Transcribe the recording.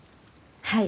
はい。